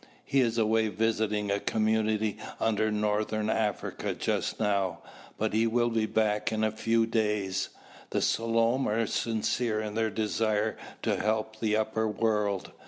He is away visiting a community under northern Africa just now, but he will be back in a few days. The Selom are sincere in their desire to help the upper world.